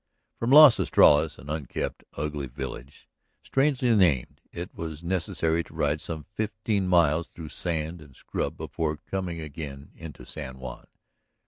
From Las Estrellas, an unkempt, ugly village strangely named, it was necessary to ride some fifteen miles through sand and scrub before coming again into San Juan.